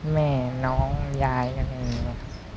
แม่น้องยายอะไรอย่างนี้